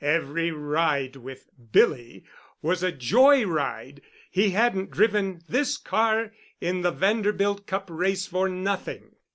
Every ride with "Billy" was a "joy" ride—he hadn't driven this car in the Vanderbilt Cup race for nothing.